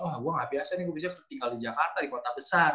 wah wah biasa nih gue bisa tinggal di jakarta di kota besar